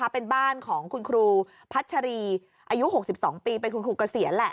เป็นบ้านของคุณครูพัชรีอายุ๖๒ปีเป็นคุณครูเกษียณแหละ